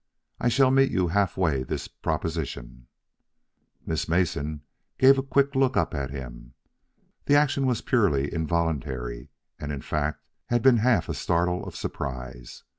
"I shall meet you halfway this proposition " Miss Mason gave a quick look up at him. The action was purely involuntary, and, in fact, had been half a startle of surprise.